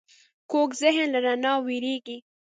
کوږ ذهن له رڼا وېرېږي